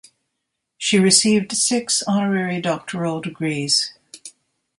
She received six honorary doctoral degrees.